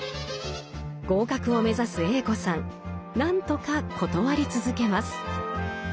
合格を目指すＡ子さん何とか断り続けます。